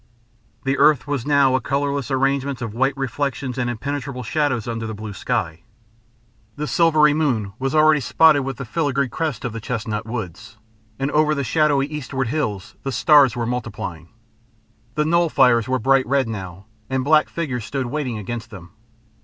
The earth was now a colourless arrangement of white reflections and impenetrable shadows, under the blue sky. The silvery moon was already spotted with the filigree crests of the chestnut woods, and over the shadowy eastward hills the stars were multiplying. The knoll fires were bright red now, and black figures stood waiting against them.